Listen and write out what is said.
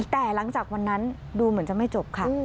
แต่หลังจากวันนั้นดูเหมือนจะไม่จบค่ะ